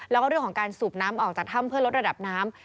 แล้วก็เรื่องของการสูบน้ำออกจากถ้ำเพื่อลดระดับน้ำ